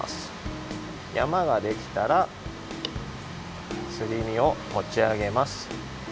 やまができたらすり身をもちあげます。